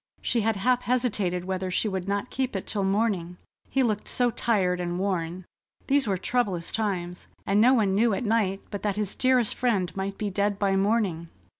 She had half hesitated whether she would not keep it till morning, he looked so tired and worn. These were troublous times, and no one knew at night but that his dearest friend might be dead by morning.